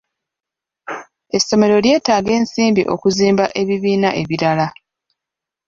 Essomero lyetaaga ensimbi okuzimba ebibiina ebirala.